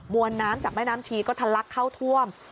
วนน้ำจากแม่น้ำชีก็ทะลักเข้าท่วม